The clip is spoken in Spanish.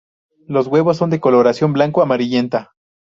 Los huevos son de coloración blanco amarillenta.